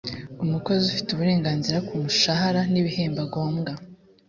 umukozi afite uburenganzira ku mushahara n’ ibihembo agombwa.